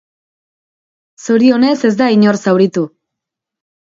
Zorionez, ez da inor zauritu.